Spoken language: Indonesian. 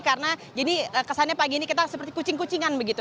karena jadi kesannya pagi ini kita seperti kucing kucingan begitu